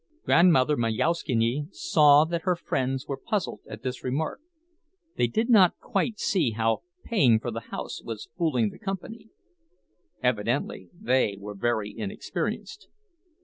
Grandmother Majauszkiene saw that her friends were puzzled at this remark; they did not quite see how paying for the house was "fooling the company." Evidently they were very inexperienced.